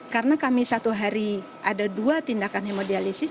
karena kami satu hari ada dua tindakan hemodialisis